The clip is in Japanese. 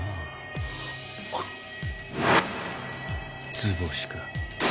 図星か。